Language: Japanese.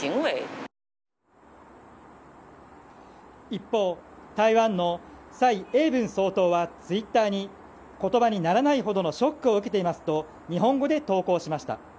一方、台湾の蔡英文総統はツイッターに言葉にならないほどのショックを受けていますと日本語で投稿しました。